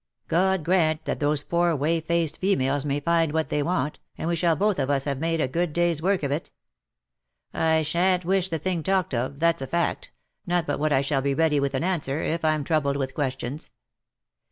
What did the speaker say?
God grant that those poor whey faced females may find what they want, and we shall both of us have made a good day's work of it. I sha'n't wish the thing talked of, that's a fact, not but what I shall be ready with an answer, if I'm troubled with questions.